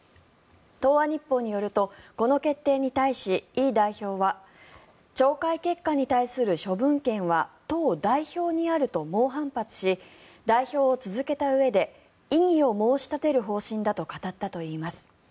東亜日報によるとこの決定に対しイ代表は懲戒結果に対する処分権は党代表にあると猛反発し代表を続けたうえで異議を申し立てる方針だと語ったといいます。